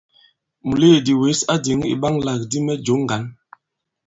Mùleèdì wěs a dìŋì ìɓaŋalàkdi mɛ jǒ ŋgǎn.